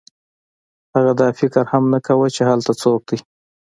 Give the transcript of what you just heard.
هغه دا فکر هم نه کاوه چې هلته څوک دی